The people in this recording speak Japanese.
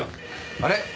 あれ？